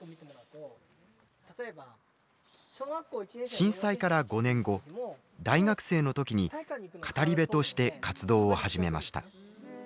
震災から５年後大学生の時に語り部として活動を始めました。